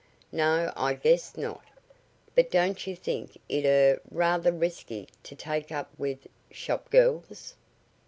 "No, I guess, not. But don't you think it er rather risky to take up with shop girls?"